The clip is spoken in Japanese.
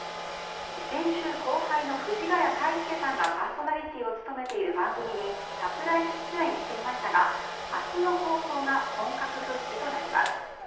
先週、後輩の藤ヶ谷太輔さんがパーソナリティーを務めている番組にサプライズ出演していましたが明日の放送が本格復帰となります。